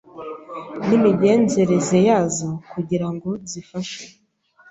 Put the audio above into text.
n’Imigenzereze yazo kugira ngo zizafashe